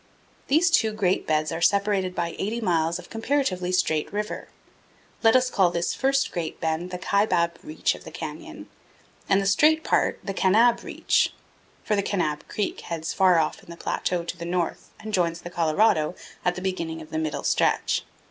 These two great beds are separated by 80 miles of comparatively straight river. Let us call this first great bend the Kaibab reach of the canyon, and the straight part the Kanab reach, for the Kanab Creek heads far off in the plateau to the north and joins the Colorado at the beginning of the middle stretch.